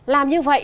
làm như vậy